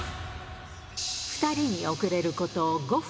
２人に遅れること５分。